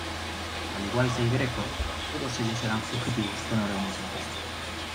Al igual que Greco, todos ellos eran fugitivos con órdenes de arresto.